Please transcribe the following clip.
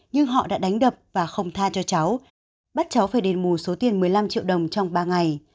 nhưng họ đã đánh đập và không tha cho cháu bắt cháu phải đền bù số tiền một mươi năm triệu đồng trong ba ngày